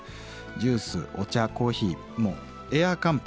ジュースお茶コーヒーもうエア乾杯